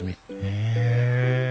へえ。